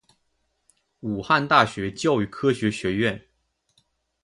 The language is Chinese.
武汉大学教育科学学院